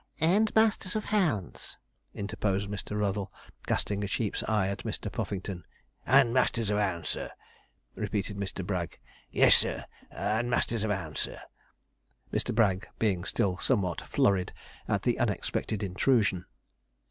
'And masters of hounds,' interposed Mr. Ruddle, casting a sheep's eye at Mr. Puffington. 'And masters of hounds, sir,' repeated Mr. Bragg; 'yes, sir, and masters of hounds, sir'; Mr. Bragg being still somewhat flurried at the unexpected intrusion.